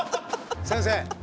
先生。